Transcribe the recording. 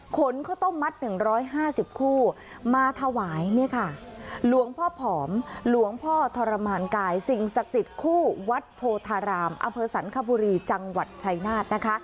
ขนข้าวต้มมัด๑๕๐คู่มาถวายเนี่ยค่ะหลวงพ่อผอมหลวงพ่อทรมานกายสิ่งศักดิ์สิทธิ์คู่วัดโพธารามอำเภอสันคบุรีจังหวัดชัยนาธนะคะ